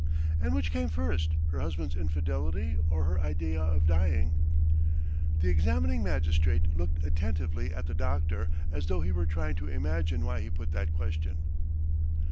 "And which came first, her husband's infidelity or her idea of dying?" The examining magistrate looked attentively at the doctor as though he were trying to imagine why he put that question.